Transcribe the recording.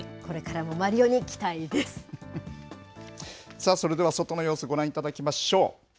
さあ、それでは外の様子、ご覧いただきましょう。